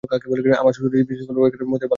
আমার শ্বশুরের বিশেষ কোনো একটা মতের বালাই ছিল না।